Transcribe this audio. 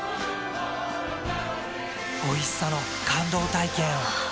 おいしさの感動体験を。